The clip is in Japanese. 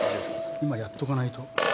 今やっとかないと。